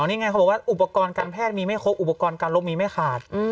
นี่ไงเขาบอกว่าอุปกรณ์การแพทย์มีไม่ครบอุปกรณ์การลบมีไม่ขาด